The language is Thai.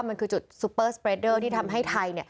มันคือจุดซูเปอร์สเปรดเดอร์ที่ทำให้ไทย